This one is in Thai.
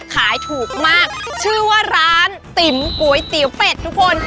ขายถูกมากชื่อว่าร้านติ๋มก๋วยเตี๋ยวเป็ดทุกคน